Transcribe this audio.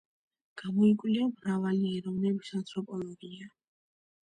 გამოიკვლია მრავალი ეროვნების ანთროპოლოგია.